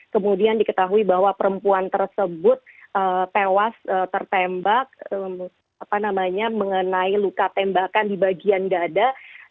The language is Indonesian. kemudian diketahui bahwa perempuan tersebut tewas tertembak mengenai luka tembakan di bagian dada